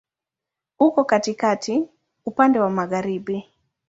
Uko katikati, upande wa magharibi.